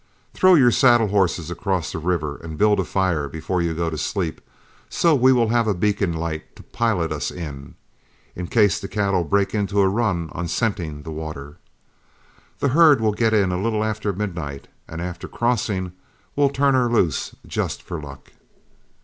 Throw your saddle horses across the river, and build a fire before you go to sleep, so we will have a beacon light to pilot us in, in case the cattle break into a run on scenting the water. The herd will get in a little after midnight, and after crossing, we'll turn her loose just for luck."